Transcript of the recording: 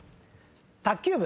卓球部。